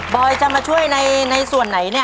อยจะมาช่วยในส่วนไหนเนี่ย